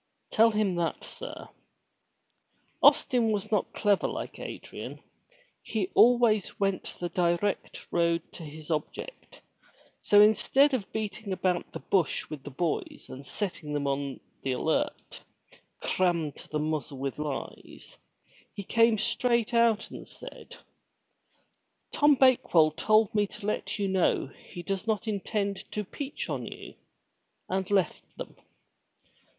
Tell him that, sir." Austin was not clever like Adrian; he always went the direct road to his object, so instead of beating about the bush with the boys and setting them on the alert, crammed to the muzzle with lies, he came straight out and said, "Tom Bake well told me to let you know he does not intend to peach on you," and left them.